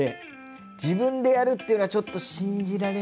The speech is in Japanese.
自分でやるっていうのはちょっと信じられないんですよね。